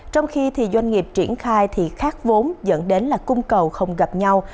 trong khi doanh nghiệp triển khai thì khác vốn dẫn đến là cung cầu không gặp nhau